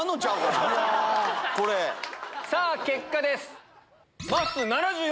さぁ結果です。